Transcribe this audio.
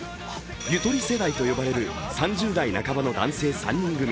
ゆとり世代と呼ばれる３０代半ばの男性３人組。